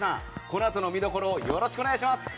このあとの見どころをよろしくお願いします。